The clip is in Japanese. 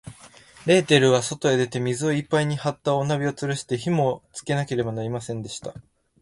あくる日は、朝っぱらから、グレーテルはそとへ出て、水をいっぱいはった大鍋をつるして、火をもしつけなければなりませんでした。